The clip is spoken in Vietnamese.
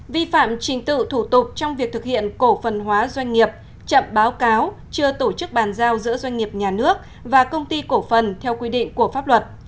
vi phạm trình tự thủ tục trong việc thực hiện cổ phần hóa doanh nghiệp chậm báo cáo chưa tổ chức bàn giao giữa doanh nghiệp nhà nước và công ty cổ phần theo quy định của pháp luật